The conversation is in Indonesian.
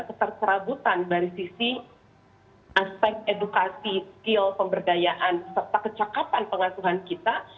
keterserabutan dari sisi aspek edukasi skill pemberdayaan serta kecakapan pengasuhan kita